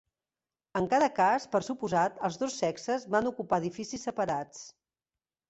En cada cas, per suposat, els dos sexes van ocupar edificis separats.